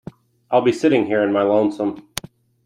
I'll be sitting here in my lonesome.